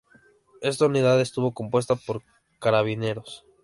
Esta unidad estuvo compuesta por carabineros.